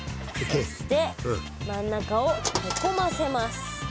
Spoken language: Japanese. そして真ん中をへこませます。